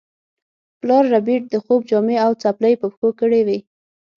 پلار ربیټ د خوب جامې او څپلۍ په پښو کړې وې